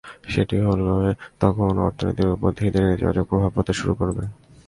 সেটি হলে তখন অর্থনীতির ওপর ধীরে ধীরে নেতিবাচক প্রভাব পড়তে শুরু করবে।